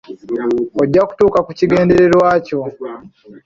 Ojja kutuuka ku kigendererwa kyo.